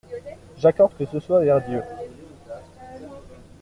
J'accorde que ce soit vers Dieu.